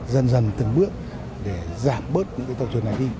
dần dần từng bước để giảm bớt những tàu thuyền này đi